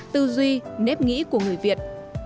tư duy nếp nghĩ của người việt